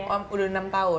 oh udah enam tahun